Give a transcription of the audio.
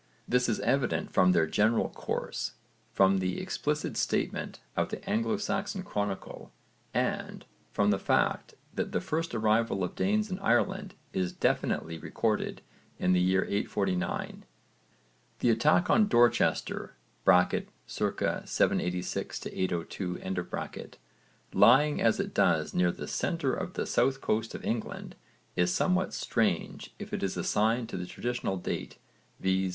This is evident from their general course, from the explicit statement of the Anglo Saxon chronicle, and from the fact that the first arrival of Danes in Ireland is definitely recorded in the year 849. The attack on Dorchester (c. 786 802), lying as it does near the centre of the south coast of England, is somewhat strange if it is assigned to the traditional date, viz.